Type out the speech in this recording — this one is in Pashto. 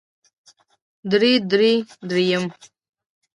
درې درو درېيم